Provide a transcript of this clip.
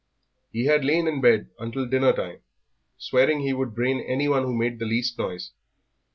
He had lain in bed until dinner time, swearing he would brain anyone who made the least noise.